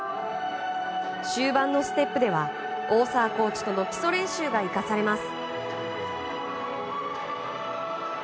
終盤のステップではオーサーコーチとの基礎練習が生かされます。